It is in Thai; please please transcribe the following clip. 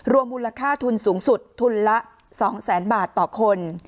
มูลค่าทุนสูงสุดทุนละ๒๐๐๐๐บาทต่อคน